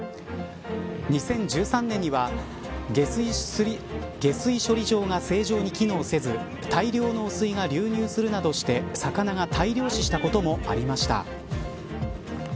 ２０１３年には下水処理場が正常に機能せず大量の汚水が流入するなどして魚が大量死したこともありました。